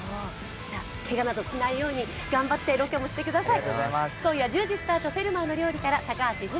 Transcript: けがなどしないように頑張ってロケもしてください。